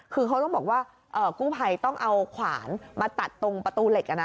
คือเขาต้องบอกว่ากู้ภัยต้องเอาขวานมาตัดตรงประตูเหล็ก